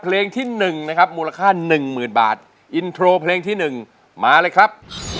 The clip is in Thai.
เพลงที่๑นะครับมูลค่าหนึ่งหมื่นบาทอินโทรเพลงที่๑มาเลยครับ